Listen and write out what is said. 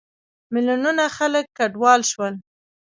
میلیونونه خلک کډوال شول.